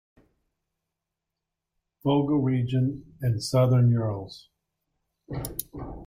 Volga region and Southern Urals.